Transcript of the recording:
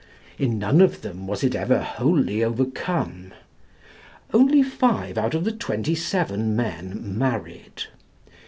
In none of them was it ever wholly overcome. Only five out of the twenty seven men married.